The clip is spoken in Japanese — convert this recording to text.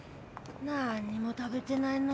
なんにも食べてないのに。